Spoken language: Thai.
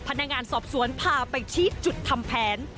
พนักงานสอบสวนพาไปชี้จุดทำแผน